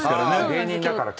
芸人だからか。